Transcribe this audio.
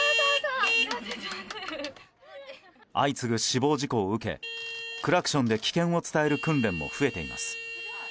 相次ぐ死亡事故を受けクラクションで危険を伝える訓練も増えています。